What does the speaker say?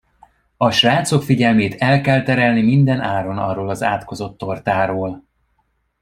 A srácok figyelmét el kell terelni minden áron arról az átkozott tortáról.